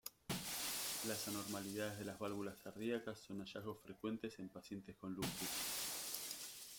Las anormalidades de las válvulas cardíacas son hallazgos frecuentes en pacientes con lupus.